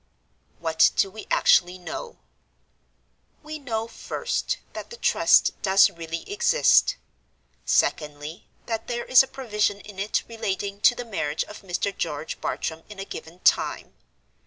"What do we actually know? "We know, first, that the Trust does really exist. Secondly, that there is a provision in it relating to the marriage of Mr. George Bartram in a given time.